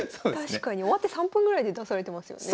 確かに終わって３分ぐらいで出されてますよね。